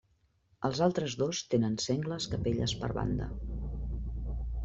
Els altres dos tenen sengles capelles per banda.